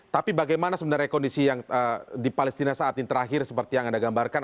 tapi bagaimana sebenarnya kondisi yang di palestina saat ini terakhir seperti yang anda gambarkan